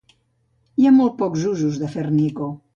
Hi ha molt pocs usos de Fernico.